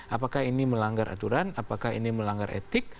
apakah ini melanggar aturan apakah ini melanggar etik